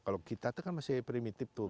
kalau kita itu kan masih primitive tuh